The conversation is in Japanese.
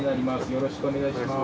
よろしくお願いします。